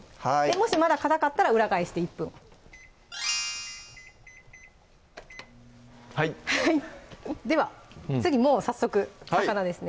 もしまだかたかったら裏返して１分はいでは次もう早速魚ですね